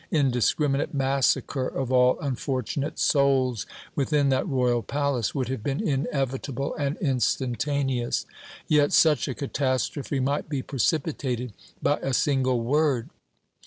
Indiscriminate massacre of all unfortunate souls within that Royal palace would have been inevitable and instantaneous. Yet, such a catastrophe might be precipitated by a single word!